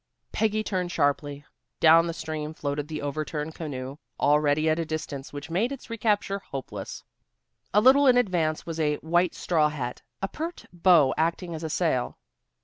Peggy turned sharply. Down the stream floated the overturned canoe, already at a distance which made its recapture hopeless. A little in advance was a white straw hat, a pert bow acting as a sail.